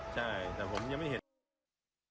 ใช่แต่ผมยังไม่เห็น